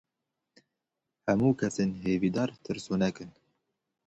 Hemû kesên hêvîdar tirsonek in.